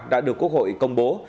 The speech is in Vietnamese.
đã được quốc hội công bố